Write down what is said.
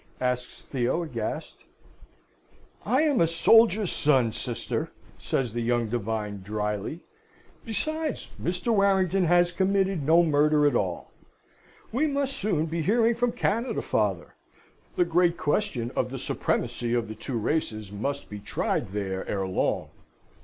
asks Theo, aghast. "I am a soldier's son, sister," says the young divine, drily. "Besides, Mr. Warrington has committed no murder at all. We must soon be hearing from Canada, father. The great question of the supremacy of the two races must be tried there ere long!"